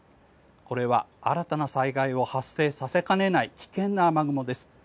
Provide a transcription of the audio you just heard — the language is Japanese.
これは新たな災害を発生させかねない危険な雨雲です。